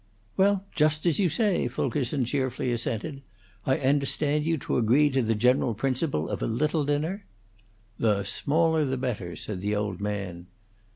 "Well, just as you say," Fulkerson cheerfully assented. "I understand you to agree to the general principle of a little dinner?" "The smaller the better," said the old man.